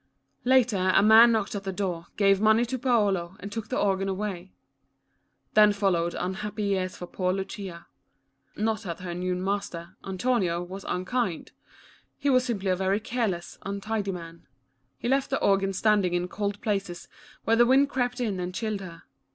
Later, a man knocked at the door, gave money to Paolo, and took the organ away. Then followed unhappy years for poor Lucia. Not that her new master, Antonio, was unkind — he was simply a very careless, untidy man. He left the organ standing in cold places, where the wind crept in and chilled her.